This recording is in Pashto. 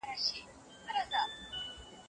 ړوند ښوونکي کولای سي په ګڼ ځای کي اوږده کیسه وکړي.